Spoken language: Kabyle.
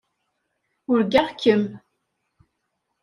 Urgaɣ-kem.